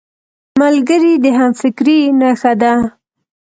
ملګری د همفکرۍ نښه ده